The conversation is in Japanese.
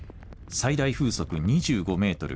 最大風速３５メートル